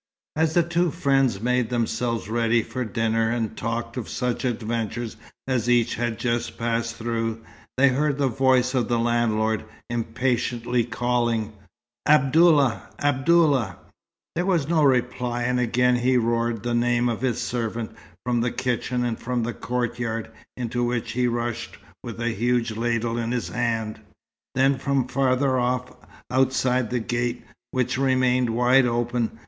As the two friends made themselves ready for dinner, and talked of such adventures as each had just passed through, they heard the voice of the landlord, impatiently calling, "Abdallah! Abdallah!" There was no reply, and again he roared the name of his servant, from the kitchen and from the courtyard, into which he rushed with a huge ladle in his hand; then from farther off, outside the gate, which remained wide open.